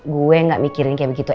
gue gak mikirin kayak gitu